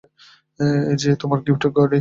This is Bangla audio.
এইযে তোমার গিফট, গর্ডি।